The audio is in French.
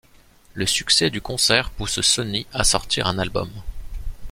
Le succès du concert pousse Sony à sortir un album.